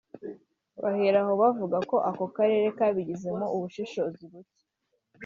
bahera aho bavuga ko ako karere kabigizemo ubushishozi buke